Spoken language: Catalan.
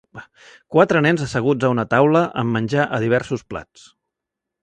Quatre nens asseguts a una taula amb menjar a diversos plats